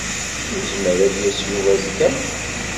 Yezmer ad d-yas Yuba azekka?